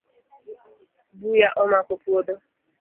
Buya omako puodho